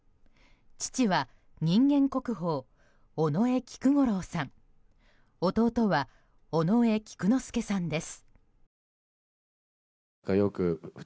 父は人間国宝・尾上菊五郎さん弟は尾上菊之助さんです。